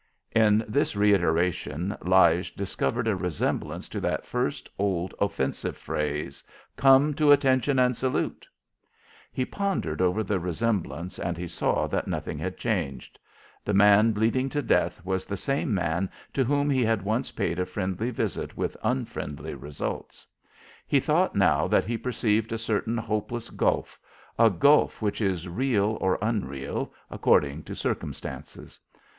In this reiteration Lige discovered a resemblance to that first old offensive phrase, "Come to attention and salute." He pondered over the resemblance and he saw that nothing had changed. The man bleeding to death was the same man to whom he had once paid a friendly visit with unfriendly results. He thought now that he perceived a certain hopeless gulf, a gulf which is real or unreal, according to circumstances.